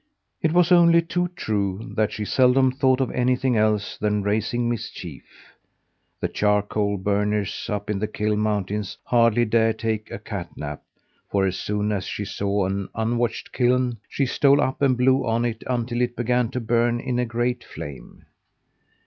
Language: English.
It was only too true that she seldom thought of anything else than raising mischief. The charcoal burners up in the Kil mountains hardly dared take a cat nap, for as soon as she saw an unwatched kiln, she stole up and blew on it until it began to burn in a great flame.